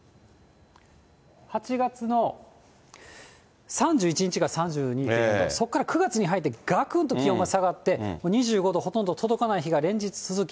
８月の３１日が３２．４度、そこから９月に入ってがくんと気温が下がって、２５度ほとんど届かない日が連日続き。